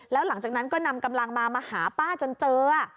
แล้วหลังจากนั้นก็นำกำลังมามาหาป้าจนเจอ